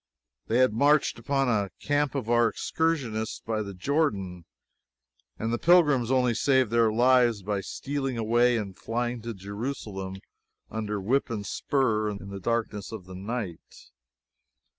They had marched upon a camp of our excursionists by the Jordan, and the pilgrims only saved their lives by stealing away and flying to Jerusalem under whip and spur in the darkness of the night.